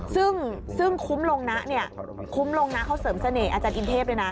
ซึ่งคุ้มลงนะเขาเสริมเสน่ห์อาจารย์อินเทพฯ